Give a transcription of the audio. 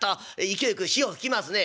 勢いよく潮を吹きますね」。